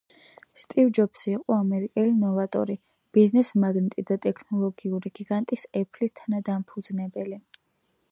სტივ ჯობსი იყო ამერიკელი ნოვატორი, ბიზნესმაგნატი და ტექნოლოგიური გიგანტის, Apple-ის, თანადამფუძნებელი.